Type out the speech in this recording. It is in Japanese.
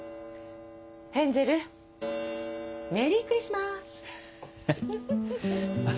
ヘンゼルメリー・クリスマス！